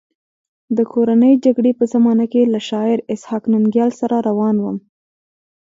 د کورنۍ جګړې په زمانه کې له شاعر اسحق ننګیال سره روان وم.